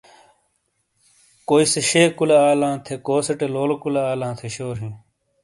۔کوئ سے شے کُولے آلاں تھی ،کوسے ٹے لولے کولے آلاں تھے شور ہیں۔